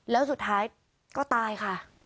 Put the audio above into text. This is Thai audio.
แล้วสุดท้ายก็ตายค่ะ